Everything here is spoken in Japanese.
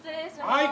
はい！